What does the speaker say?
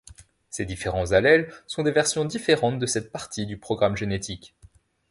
Ces différents allèles sont des versions différentes de cette partie du programme génétique.